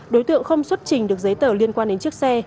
đối tượng không xuất trình được giấy tờ liên quan đến chiếc xe